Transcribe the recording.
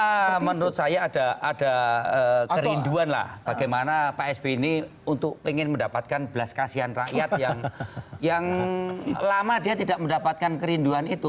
ya menurut saya ada kerinduan lah bagaimana pak sby ini untuk ingin mendapatkan belas kasihan rakyat yang lama dia tidak mendapatkan kerinduan itu